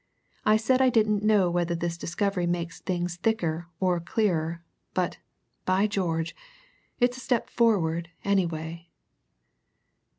I said I didn't know whether this discovery makes things thicker or clearer, but, by George, it's a step forward anyway!"